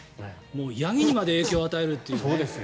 ヤギにまで影響を与えるというね。